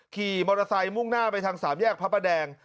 ขี่มอเตอร์ไซค์มุ่งหน้าไปทางสามแยกพระประแดง